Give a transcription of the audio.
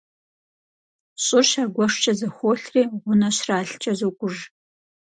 ЩӀыр щагуэшкӀэ зэхуолъри, гъунэ щралъкӀэ зокӀуж.